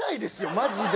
マジで。